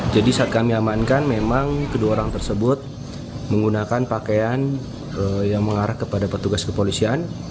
jadi saat kami amankan memang kedua orang tersebut menggunakan pakaian yang mengarah kepada petugas kepolisian